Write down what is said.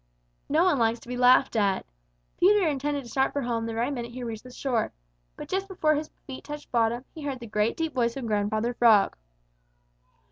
No one likes to be laughed at. Peter intended to start for home the very minute he reached the shore. But just before his feet touched bottom, he heard the great, deep voice of Grandfather Frog.